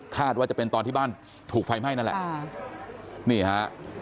ว่าจะเป็นตอนที่บ้านถูกไฟไหม้นั่นแหละค่ะนี่ฮะ